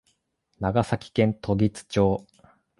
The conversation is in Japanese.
長崎県時津町